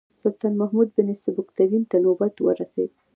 سلطان محمود بن سبکتګین ته نوبت ورسېد.